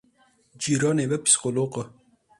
Cîranê me psîkolog e.